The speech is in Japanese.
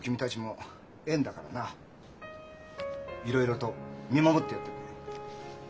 いろいろと見守ってやってくれ。